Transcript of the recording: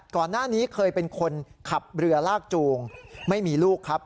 ก่อนหน้านี้เคยเป็นคนขับเรือลากจูงไม่มีลูกครับ